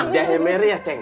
jahe mere ya ceng